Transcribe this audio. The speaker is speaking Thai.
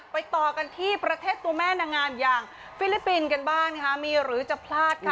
ต่อกันที่ประเทศตัวแม่นางงามอย่างฟิลิปปินส์กันบ้างนะคะมีหรือจะพลาดค่ะ